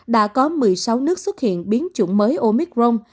đã có một mươi sáu nước xuất hiện biến chủng mới omicron